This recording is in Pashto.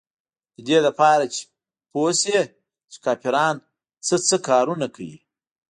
د دې دپاره چې پوې شي چې کافران سه سه کارونه کيي.